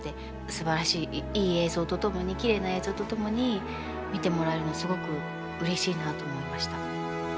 すばらしいいい映像と共にきれいな映像と共に見てもらえるのはすごくうれしいなと思いました。